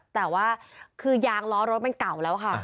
แต่ว่าคือยางล้อรถมันเก่าแล้วค่ะ